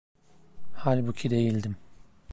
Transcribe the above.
Halbuki değildim.